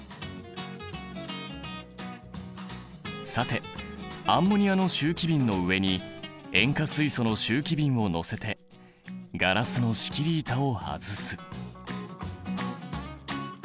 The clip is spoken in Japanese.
さてアンモニアの集気びんの上に塩化水素の集気びんを載せてガラスの仕切り板を外す。